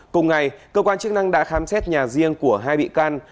cùng ngày cơ quan chức năng đã khám xét nhà riêng của hai bị can